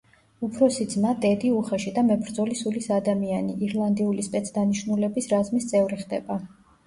უფროსი ძმა, ტედი, უხეში და მებრძოლი სულის ადამიანი ირლანდიური სპეცდანიშნულების რაზმის წევრი ხდება.